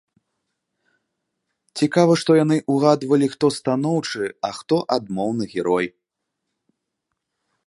Цікава, што яны ўгадвалі хто станоўчы, а хто адмоўны герой.